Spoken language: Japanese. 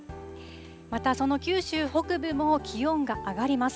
またその九州北部も気温が上がります。